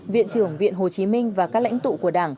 viện trưởng viện hồ chí minh và các lãnh tụ của đảng